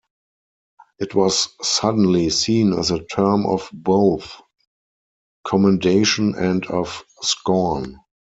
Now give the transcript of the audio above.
It was suddenly seen as a term of both commendation and of scorn.